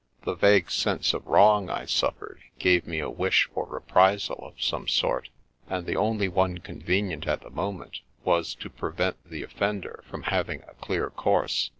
The vague sense of wrong I suffered gave me a wish for reprisal of some sort, and the only one convenient at the moment was to prevent the offender from having a clear course.